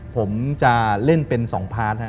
ผมจะเล่นเป็น๒พาร์ทนะครับ